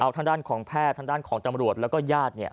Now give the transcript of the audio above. เอาทางด้านของแพทย์ทางด้านของจำรวจแล้วก็ญาติ